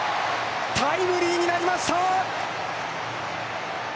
タイムリーになりました。